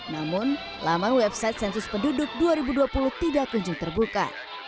namun laman website sensus penduduk dua ribu dua puluh tidak kunjung terbuka